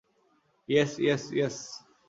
Yes, yes, yes!